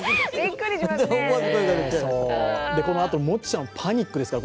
このあと、もちちゃん、パニックですから。